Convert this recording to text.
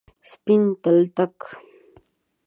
سپین تلتک،